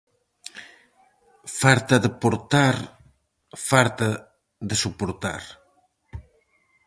Farta de portar, farta de soportar.